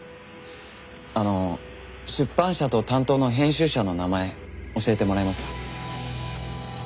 あの出版社と担当の編集者の名前教えてもらえますか？